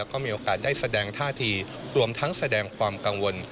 ก็มีโอกาสได้แสดงท่าทีรวมทั้งแสดงความกังวล